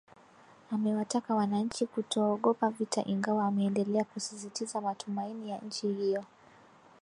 amewataka wananchi kutoogopa vita ingawa ameendelea kusisitiza matumaini ya nchi hiyo